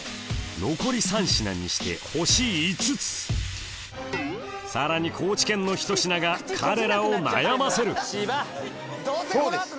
残り３品にして星５つさらに高知県の一品が彼らを悩ませるそうです